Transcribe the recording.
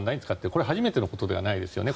これは初めてのことではないですよね。